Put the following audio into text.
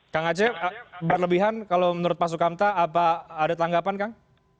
kang aceh berlebihan kalau menurut pak sukamta apa ada tanggapan kang